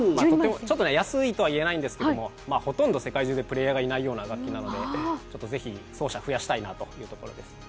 安いとはいえないんですがほとんど世界中でプレーヤーがいないような楽器なので、ぜひ奏者を増やしたいなということで。